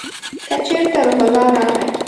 که چېرته روح الله راغی !